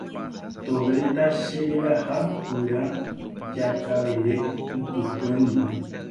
tove tachereraha guyra Jakavere Ypykue ndive.